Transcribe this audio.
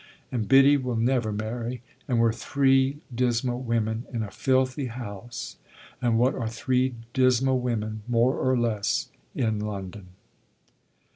And Biddy will never marry, and we're three dismal women in a filthy house, and what are three dismal women, more or less, in London?"